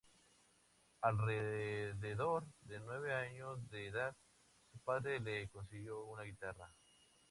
Alrededor de nueve años de edad, su padre le consiguió una guitarra.